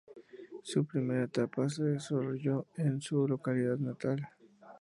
Su primera etapa se desarrolló en su localidad natal.